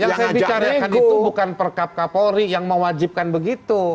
yang saya bicarakan itu bukan perkap kapolri yang mewajibkan begitu